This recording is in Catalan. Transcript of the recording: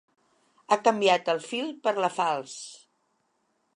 Ha canviat el fil per la falç.